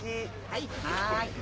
はい。